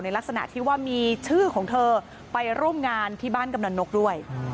ลักษณะที่ว่ามีชื่อของเธอไปร่วมงานที่บ้านกำลังนกด้วย